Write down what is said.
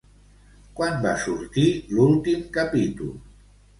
Quan va sortir l'últim capítol?